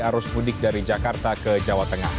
arus mudik dari jakarta ke jawa tengah